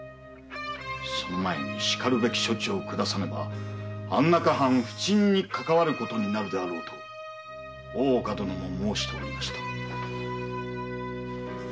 その前にしかるべき処置を下さねば安中藩の浮沈にかかわることになるであろうと大岡殿も申しておりました。